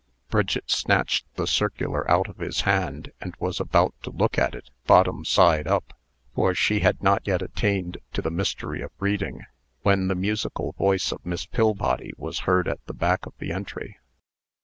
Bridget snatched the circular out of his hand, and was about to look at it, bottom side up, for she had not yet attained to the mystery of reading, when the musical voice of Miss Pillbody was heard at the back of the entry.